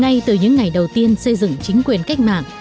ngay từ những ngày đầu tiên xây dựng chính quyền cách mạng